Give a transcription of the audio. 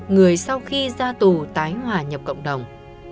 người sau khi ra tù tái hòa nhập cộng đồng